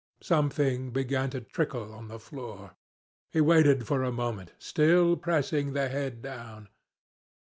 Something began to trickle on the floor. He waited for a moment, still pressing the head down.